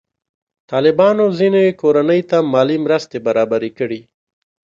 طالبانو ځینې کورنۍ ته مالي مرستې برابرې کړي.